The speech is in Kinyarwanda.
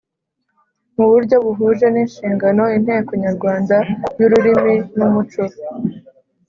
mu buryo buhuje n’inshingano inteko nyarwanda y’ururimi n’umuco